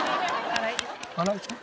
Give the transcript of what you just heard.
新井ちゃん？